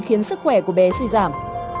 khiến sức khỏe của bé suy giảm